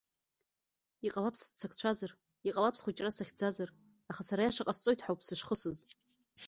Иҟалап сыццакцәазар, иҟалап схәыҷра сыхьӡазар, аха сара аиаша ҟасҵоит ҳәа ауп сышхысыз.